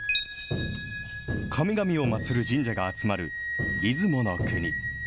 神々を祭る神社が集まる出雲の国。